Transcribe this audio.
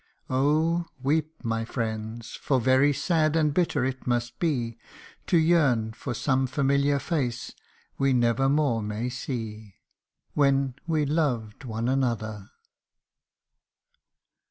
Oh ! weep my friends for very sad and bitter it must be To yearn for some familiar face we never more may see When we loved one another